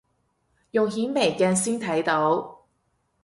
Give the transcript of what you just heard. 用顯微鏡先睇到